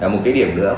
một cái điểm nữa